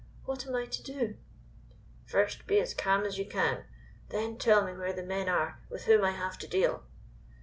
"What am I to do?" "First be as calm as you can. Then tell me where the men are with whom I have to deal."